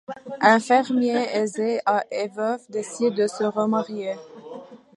Un fermier aisé et veuf décide de se remarier.